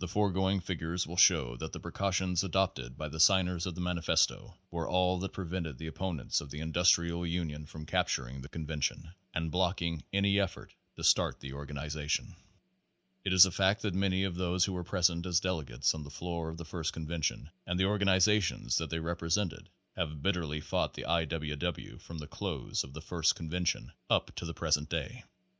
The foregoing figures will show that the precau tions adopted by the signers of the Manifesto were all that prevented the opponents of the industrial union from capturing the convention and blocking any effort to start the organization. It is a fact that many of those who were present as delegates on the floor of the first convention and the organizations that they represented have bitterly fought the I. W. W. from the close of the first convention up to the present day.